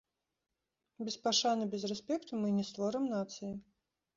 Без пашаны, без рэспекту мы не створым нацыі.